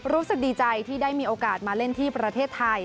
รู้สึกดีใจที่ได้มีโอกาสมาเล่นที่ประเทศไทย